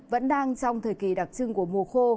vẫn đang trong thời kỳ đặc trưng của mùa khô